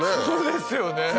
そうですよね